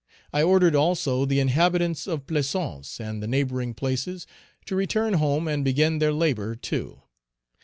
I ordered also the inhabitants of Plaisance and the neighboring places, to return home and begin their labor, too.